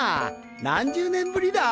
何十年ぶりだ！？